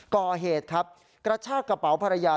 ก่อเหตุครับกระชากระเป๋าภรรยา